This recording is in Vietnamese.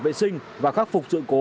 vệ sinh và khắc phục sự cố